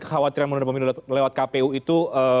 kekhawatiran menunda pemilu lewat kpu itu